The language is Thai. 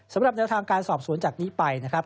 สำหรับแนวทางการสอบสวนจากนี้ไปนะครับ